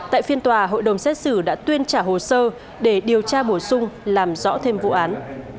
tại phiên tòa hội đồng xét xử đã tuyên trả hồ sơ để điều tra bổ sung làm rõ thêm vụ án